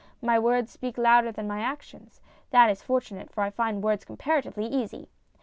My words speak louder than my actions ; that is fortunate, for I find words comparatively easy.